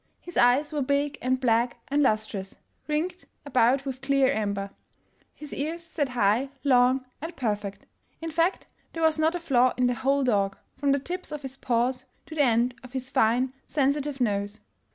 His eyes were big and black and lustrous, ringed about with clear amber; his ears sat high, long and perfect. In fact, there was not a flaw in the whole dog, from the tips of his paws to the end of his fine, sensitive nose.